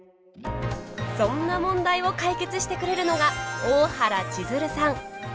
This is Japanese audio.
そんな問題を解決してくれるのが大原千鶴さん。